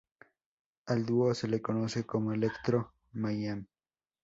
Al dúo se le conoce como Electro Mayhem.